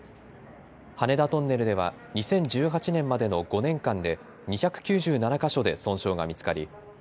羽田トンネルでは２０１８年までの５年間で２９７か所で損傷が見つかり